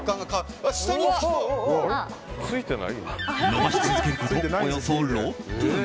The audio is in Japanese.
伸ばし続けること、およそ６分。